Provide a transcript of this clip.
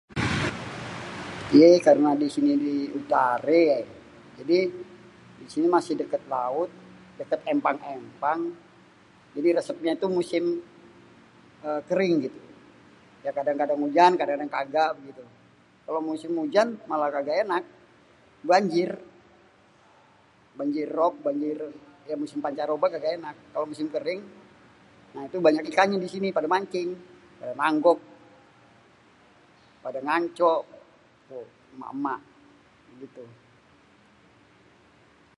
yé karna disini di utaré ya jadi disini masih dekêt laut dekêt êmpang-êmpang jadi rêsêpnya itu musim êê kering gitu ya kadang-kadang ujan kadang kaga kalo musim ujan ya kaga ènak banjir, banjir rok banjir ya musim pancaroba ènak, kalo musim kering itu banyak banget ikannya disini padê mancing padê naggok padê nanco itu êmak-êmak gitu.